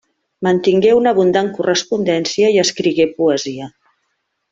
Mantingué una abundant correspondència i escrigué poesia.